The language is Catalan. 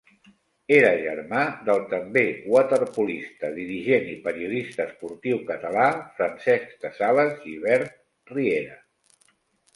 Era germà del també waterpolista, dirigent i periodista esportiu català Francesc de Sales Gibert Riera.